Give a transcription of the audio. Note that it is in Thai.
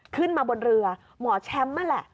ขึ้นมาบนเรือหมอแชมป์นั่นแหละ